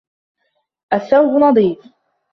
الثَّوْبُ نَظِيفٌ.